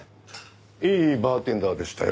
いいバーテンダーでしたよ。